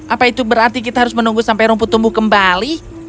apa itu berarti kita harus menunggu sampai rumput tumbuh kembali